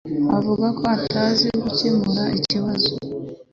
avuga ko atazi gukemura ikibazo.